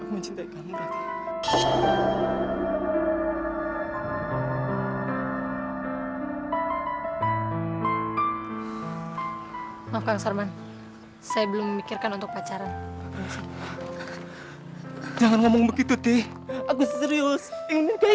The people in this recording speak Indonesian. mimpi buruk alasan muka udah